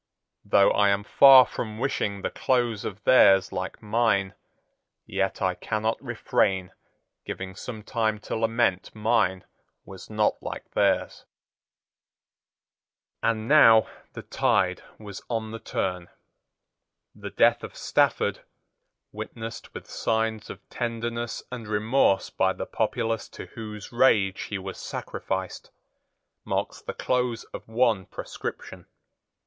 Though I am far from wishing the close of theirs like mine, yet I cannot refrain giving some time to lament mine was not like theirs." And now the tide was on the turn. The death of Stafford, witnessed with signs of tenderness and remorse by the populace to whose rage he was sacrificed, marks the close of one proscription.